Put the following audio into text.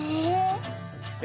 え。